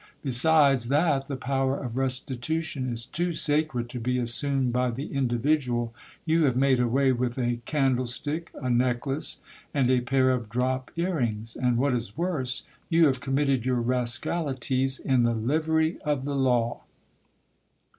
Besides that the power of restitution is too sacred to be assumed by the individual, you have made away with a can dlestick, a necklace, and a pair of drop ear rings : and what is worse, you have committed your rascalities in the livery of the law.